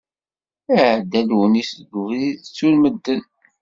Iεedda Lunis deg ubrid ttun medden.